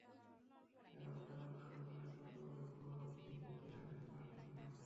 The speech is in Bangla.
এবারও দারুণ শুরু করে গতবারের পুনরাবৃত্তির ইঙ্গিত দিয়ে রাখলেন বাঁহাতি ওপেনার।